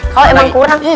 kalau emang kurang